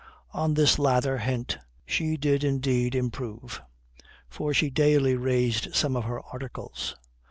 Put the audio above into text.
On this lather hint she did indeed improve, for she daily raised some of her articles.